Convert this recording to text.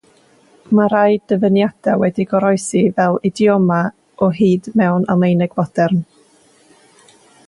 Mae rhai dyfyniadau wedi goroesi fel idiomau o hyd mewn Almaeneg Fodern.